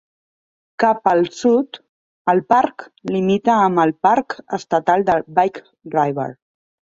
Cap al sud, el parc limita amb el parc estatal de Big River.